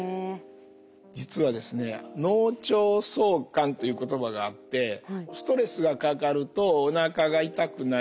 実はですねという言葉があってストレスがかかるとおなかが痛くなり